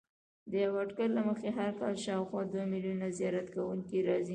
د یوه اټکل له مخې هر کال شاوخوا دوه میلیونه زیارت کوونکي راځي.